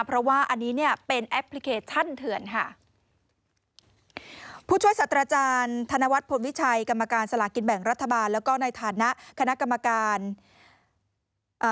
เพราะว่าอันนี้เป็นแอปพลิเคชันเถือนค่ะ